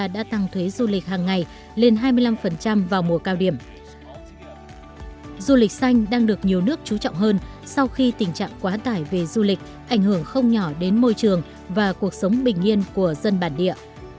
du lịch xanh đang được nhiều nước chú trọng hơn sau khi tình trạng quá tải về du lịch ảnh hưởng không nhỏ đến môi trường và cuộc sống bình yên của dân bản địa